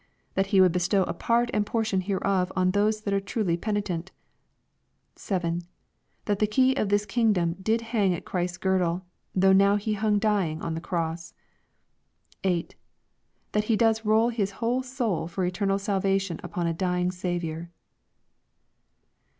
That He would bestow a part and portion hereof on those that are truly penitent ;— 7. That the key of this king dom did hang at Christ's girdle, though he now hung dying on the cross ;— 8. That he does roll his whole soul for eternal salva tion upon a dying Saviour.